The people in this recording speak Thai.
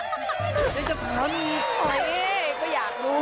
ยังจะถามอีกก็อยากรู้